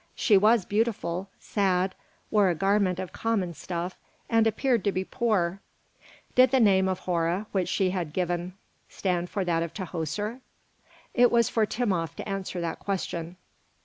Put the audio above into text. She was beautiful, sad, wore a garment of common stuff, and appeared to be poor. Did the name of Hora which she had given stand for that of Tahoser? It was for Timopht to answer that question.